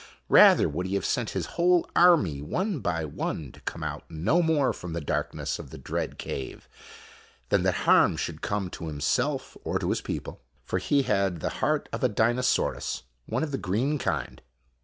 Rather would he have sent his whole army one by one to come out no more from the dark ness of the dread cave than that harm should come to himself or to his people, for he had the heart of a dinosaurus, one of the green kind.